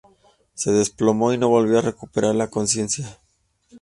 Se desplomó y no volvió a recuperar la conciencia.